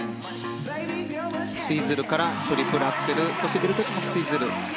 ツイズルからトリプルアクセルそして出る時もツイズル。